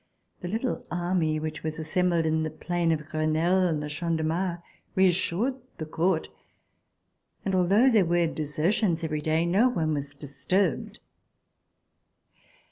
The little army which was assembled In the Plain of Crenelle and the Champ de Mars reassured the Court, and although there were desertions every day, no one was disturbed.